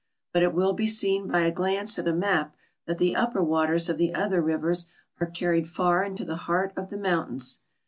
But it will be seen by a glance at a map that the upper waters of the other rivers are carried far into the heart of the mountains.